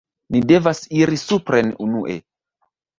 Ni devas iri supren unue